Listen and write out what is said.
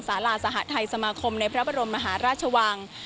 สาราสหทัยสมาคมในพระบรมมหาราชวัง